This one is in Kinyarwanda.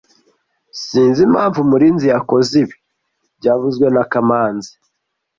Sinzi impamvu Murinzi yakoze ibi byavuzwe na kamanzi